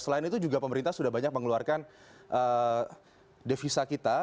selain itu juga pemerintah sudah banyak mengeluarkan devisa kita